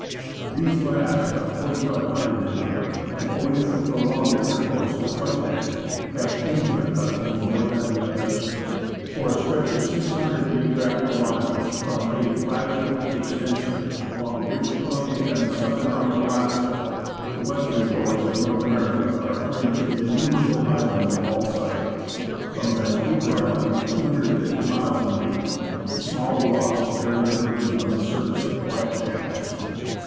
These last are 4,500 in number, and, owing to prolonged intercourse with white men, have changed their customs more than the others. For a stretch of 600 (geographical) miles, from Cape Flattery to Cape Spencer, along British Columbia and the southern arm of Alaska, the western shores of North America are fringed with innumerable islands of all sizes, from Vancouver Island, 250 miles in length, to small rocks barely emerging from the surface p( quiet channels.